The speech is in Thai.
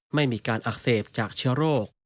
ไม่มีการอักเสบจากเชื้อโรค